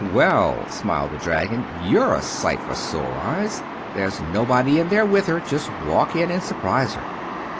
"Well," smiled the dragon, "you're a sight for sore eyes. There's nobody in there with her. Just walk in and surprise her."